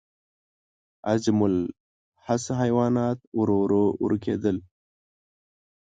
عظیم الجثه حیوانات ورو ورو ورکېدل.